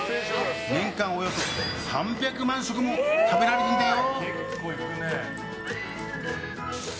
年間およそ３００万食も食べられているんだよ。